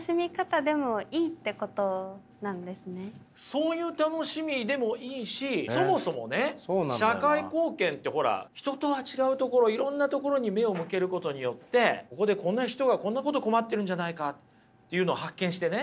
そういう楽しみでもいいしそもそもね社会貢献ってほら人とは違うところいろんなところに目を向けることによってここでこんな人がこんなことを困ってるんじゃないかっていうのを発見してね